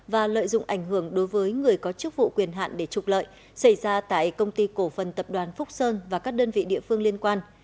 và lợi dụng ảnh hưởng đối với người có chức vụ quyền hạn để trục lợi xảy ra tại công ty cổ phần tập đoàn phúc sơn và các đơn vị địa phương liên quan